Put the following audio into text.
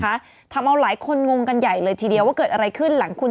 ทำเอาหลายคนงงกันใหญ่เลยทีเดียวว่าเกิดอะไรขึ้นหลังคุณ